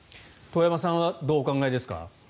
遠山さんはどうお考えですか。